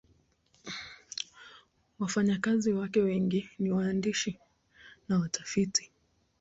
Wafanyakazi wake wengi ni waandishi na watafiti.